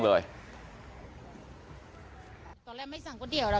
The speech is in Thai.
เลย